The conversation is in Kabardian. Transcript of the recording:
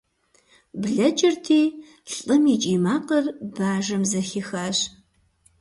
Блэкӏырти, лӏым и кӏий макъыр бажэм зэхихащ.